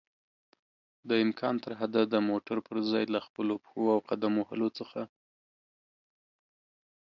دامکان ترحده د موټر پر ځای له خپلو پښو او قدم وهلو څخه